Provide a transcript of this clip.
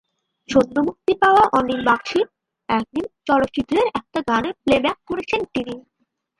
সদ্য মুক্তি পাওয়া অনিল বাগচীর একদিন চলচ্চিত্রের একটা গানে প্লে-ব্যাক করেছেন তিনি।